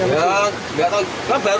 enggak enggak tahu